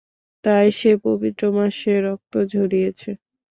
তাই সে পবিত্র মাসে রক্ত ঝরিয়েছে।